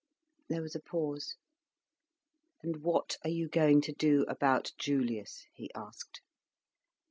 There was a pause. "And what are you going to do about Julius?" he asked.